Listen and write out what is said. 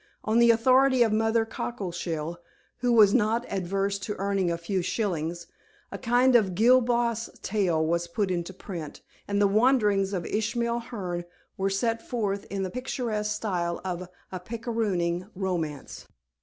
On the authority of Mother Cockleshell who was not averse to earning a few shillings a kind of Gil Blas tale was put into print, and the wanderings of Ishmael Hearne were set forth in the picturesque style of a picarooning romance.